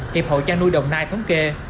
hiệp hội trang nuôi đồng nai thống kê